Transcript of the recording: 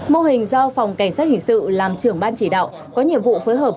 mô hình do phòng cảnh sát hình sự làm trưởng ban chỉ đạo có nhiệm vụ phối hợp